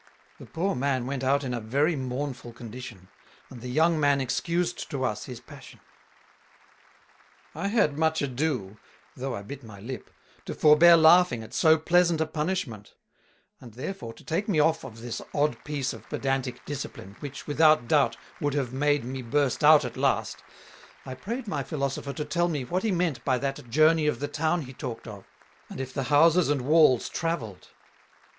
The Poor Man went out in a very mournful Condition, and the Young man excused to us his Passion. I had much ado, though I bit my Lip, to forbear Laughing at so pleasant a Punishment; and therefore to take me off of this odd piece of Pedantick Discipline, which, without doubt, would have made, me burst out at last; I prayed my Philosopher to tell me what he meant by that Journey of the Town he talked of, and if the Houses and Walls Travelled?